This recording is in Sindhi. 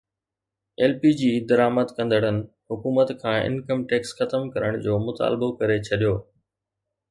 ايل پي جي درآمد ڪندڙن حڪومت کان انڪم ٽيڪس ختم ڪرڻ جو مطالبو ڪري ڇڏيو